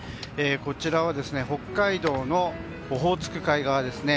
こちらは北海道のオホーツク海側ですね。